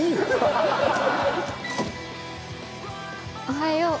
おはよう。